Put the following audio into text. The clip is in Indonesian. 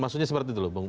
maksudnya seperti itu loh